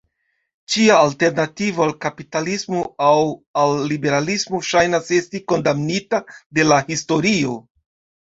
Ĉia alternativo al kapitalismo aŭ al liberalismo ŝajnas esti kondamnita de la historio.